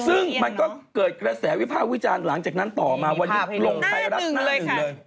ซึ่งมันก็เกิดกระแสวิภาควิจารณ์หลังจากนั้นต่อมาวันนี้ลงไทยรัฐหน้าหนึ่งเลย